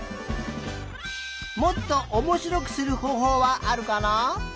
もっとおもしろくするほうほうはあるかな？